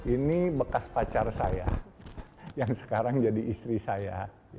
ini bekas pacar saya yang sekarang jadi istri saya